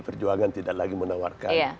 perjuangan tidak lagi menawarkan